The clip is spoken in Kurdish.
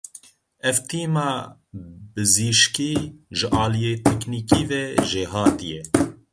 Ev tîma bijîşkî ji aliyê teknîkî ve jêhatî ye.